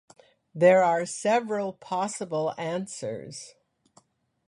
There are several possible answers.